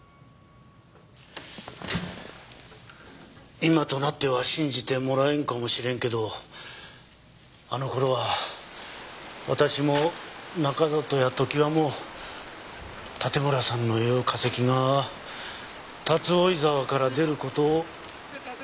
今となっては信じてもらえんかもしれんけどあの頃は私も中里や常盤も盾村さんの言う化石が竜追沢から出る事を心から願っていた。